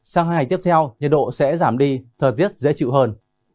sang hai ngày tiếp theo nhiệt độ sẽ giảm đi thời tiết dễ chịu hơn